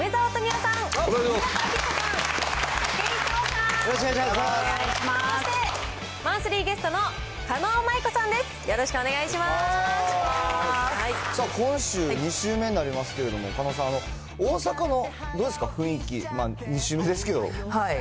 さあ、今週、２週目になりますけれども、狩野さん、大阪の、どうですか、雰囲気、２週目ですけど。